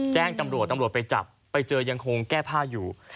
แจ้งตำรวจไปจับยังคงแก้ผ้าอยู่